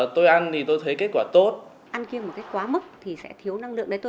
tôi ăn thì tôi thấy kết quả tốt